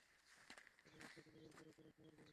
আগে লোকটা খুঁজে বের কর, পরে খাবার পাবি।